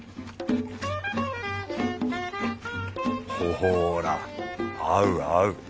ほぉら合う合う。